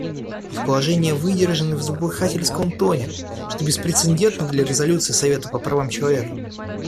Их положения выдержаны в злопыхательском тоне, что беспрецедентно для резолюций Совета по правам человека.